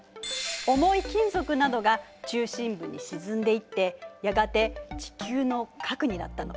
重い金属などが中心部に沈んでいってやがて地球の核になったの。